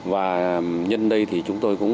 và nhân đây thì chúng tôi cũng